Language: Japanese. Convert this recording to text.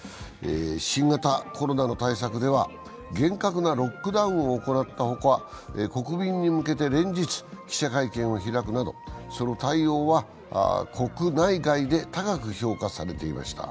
新型コロナの対策では厳格なロックダウンを行ったほか、国民に向けて連日、記者会見を開くなど、その対応は国内外で高く評価されていました。